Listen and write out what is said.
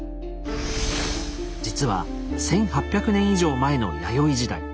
実は１，８００年以上前の弥生時代。